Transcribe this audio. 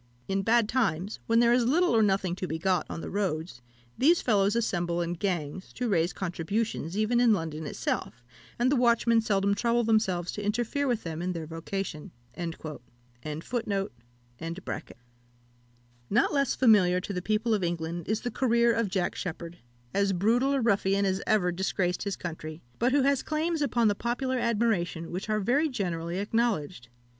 In bad times, when there is little or nothing to be got on the roads, these fellows assemble in gangs, to raise contributions even in London itself, and the watchmen seldom trouble themselves to interfere with them in their vocation." Not less familiar to the people of England is the career of Jack Sheppard, as brutal a ruffian as ever disgraced his country, but who has claims upon the popular admiration which are very generally acknowledged.